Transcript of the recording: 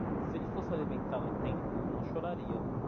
Se ele fosse alimentado a tempo, não choraria.